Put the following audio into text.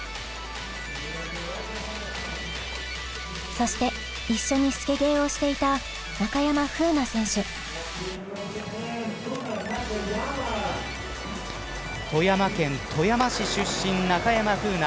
そして一緒にスケゲーをしていた富山県富山市出身中山楓奈。